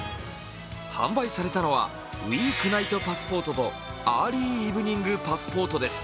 販売されたのは、ウィークナイトパスポートとアーリーイブニングパスポートです。